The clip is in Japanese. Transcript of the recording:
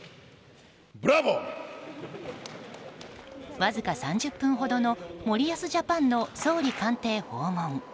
わずか３０分ほどの森保ジャパンの総理官邸訪問。